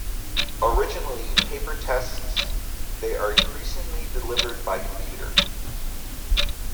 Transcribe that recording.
Originally paper tests, they are increasingly delivered by computer.